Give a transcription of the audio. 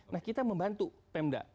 nah kita membantu pemda